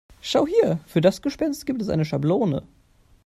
Schau hier, für das Gespenst gibt es eine Schablone.